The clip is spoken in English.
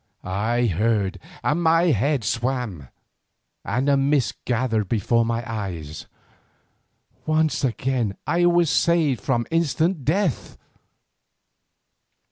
I heard and my head swam, and a mist gathered before my eyes. Once again I was saved from instant death.